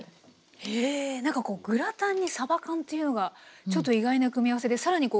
へえなんかこうグラタンにさば缶というのがちょっと意外な組み合わせで更にこうね